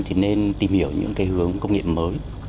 thì nên tìm hiểu những cái hướng công nghệ mới